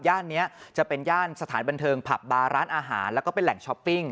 นี้จะเป็นย่านสถานบันเทิงผับบาร์ร้านอาหารแล้วก็เป็นแหล่งช้อปปิ้ง